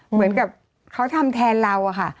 เหมือนกับเขาทำแทนเราอะค่ะ